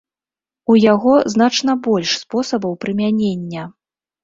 У яго значна больш спосабаў прымянення.